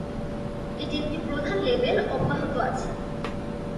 এটি একটি প্রধান লেবেল অব্যাহত আছে।